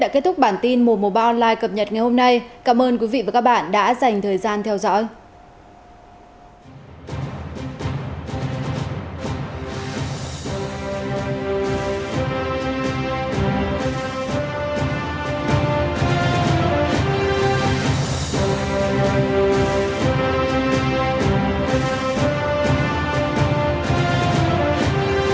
cảm ơn các bạn đã theo dõi và hẹn gặp lại